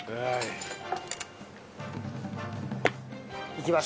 いきます。